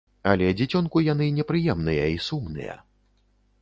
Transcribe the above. Але дзіцёнку яны не прыемныя і сумныя.